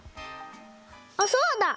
あっそうだ！